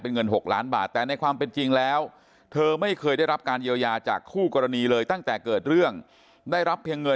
เงิน๖ล้านบาทแต่ในความเป็นจริงแล้วเธอไม่เคยได้รับการเยียวยาจากคู่กรณีเลยตั้งแต่เกิดเรื่องได้รับเพียงเงิน